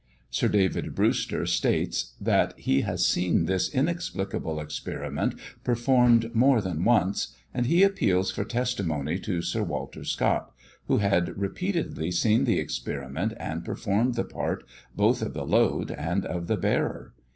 Sir David Brewster states that he has seen this inexplicable experiment performed more than once; and he appeals for testimony to Sir Walter Scott, who had repeatedly seen the experiment, and performed the part, both of the load and of the bearer.